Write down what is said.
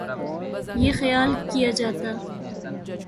یہ خیال کیا جاتا